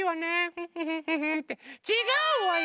フッフフフフ。ってちがうわよ！